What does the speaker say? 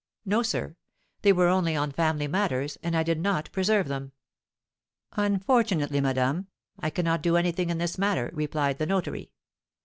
'No, sir; they were only on family matters, and I did not preserve them.' 'Unfortunately, madame, I cannot do anything in this matter,' replied the notary.